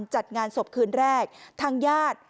แม่ของแม่แม่ของแม่